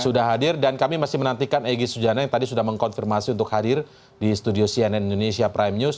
sudah hadir dan kami masih menantikan egy sujana yang tadi sudah mengkonfirmasi untuk hadir di studio cnn indonesia prime news